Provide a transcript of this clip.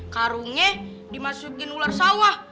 karungnya dimasukin ular sawah